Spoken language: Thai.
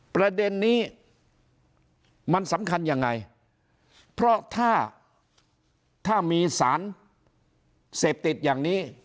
ประเด็นนี้มันสำคัญยังไงเพราะถ้ามีสารเสพติดอย่างนี้